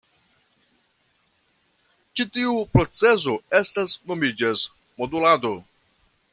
Ĉi tiu procezo estas nomiĝas "modulado.